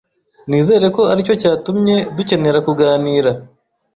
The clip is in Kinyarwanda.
Nizere ko aricyo cyatumye dukenera kuganira